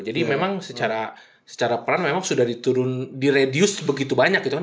jadi memang secara peran memang sudah di reduce begitu banyak gitu kan